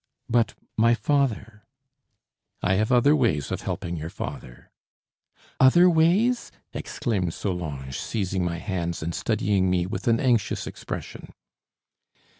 "But my father?" "I have other ways of helping your father." "Other ways?" exclaimed Solange, seizing my hands and studying me with an anxious expression.